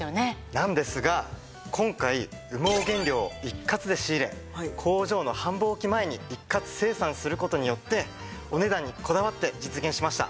なんですが今回羽毛原料を一括で仕入れ工場の繁忙期前に一括生産する事によってお値段にこだわって実現しました。